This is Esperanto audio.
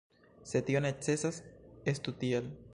Se tio necesas, estu tiel.